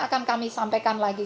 akan kami sampaikan lagi